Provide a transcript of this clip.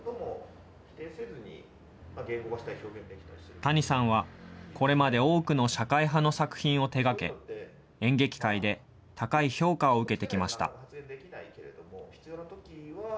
谷さんはこれまで多くの社会派の作品を手がけ、演劇界で高い評価を受けてきました。